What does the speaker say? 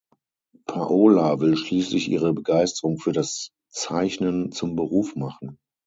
Paola will schließlich ihre Begeisterung für das Zeichnen zum Beruf machen.